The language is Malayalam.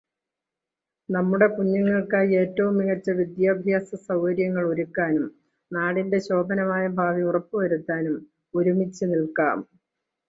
നമ്മുടെ കുഞ്ഞുങ്ങൾക്കായി ഏറ്റവും മികച്ച വിദ്യാഭ്യാസസൗകര്യങ്ങൾ ഒരുക്കാനും നാടിന്റെ ശോഭനമായ ഭാവി ഉറപ്പുവരുത്താനും ഒരുമിച്ച് നിൽക്കാം.